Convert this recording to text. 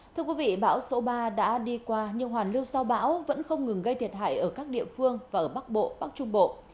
thưa quý vị bão số ba đã đi qua nhưng hoàn lưu sau bão vẫn không ngừng gây thiệt hại ở các địa phương và ở bắc bộ bắc trung bộ